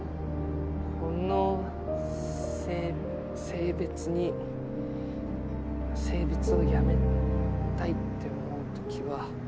この性別に性別をやめたいって思う時は。